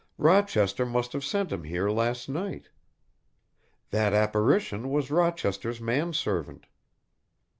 Rochester must have sent him here last night. That apparition was Rochester's man servant.